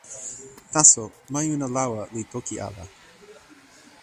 taso, majuna lawa li toki ala.